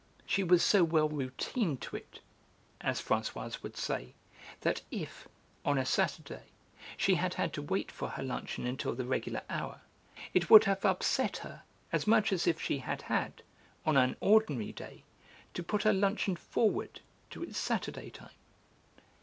She was so well 'routined' to it, as Françoise would say, that if, on a Saturday, she had had to wait for her luncheon until the regular hour, it would have 'upset' her as much as if she had had, on an ordinary day, to put her luncheon forward to its Saturday time.